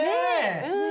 うん。